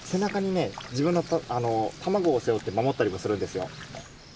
自分の卵を背負って守ったりもするんですよ。